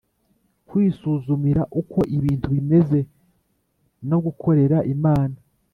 kwisuzumira uko ibintu bimeze no gukorera Imana